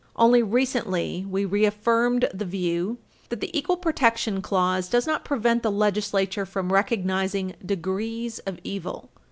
Only recently, we reaffirmed the view that the equal protection clause does not prevent the legislature from recognizing "degrees of evil" (Truax v.